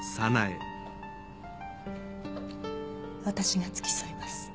私が付き添います。